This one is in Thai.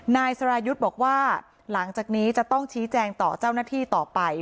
นายสรายุทธ์บอกว่าหลังจากนี้จะต้องชี้แจงต่อเจ้าหน้าที่ต่อไป